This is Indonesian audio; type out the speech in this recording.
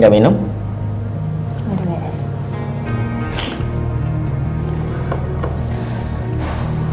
gak ada nafsu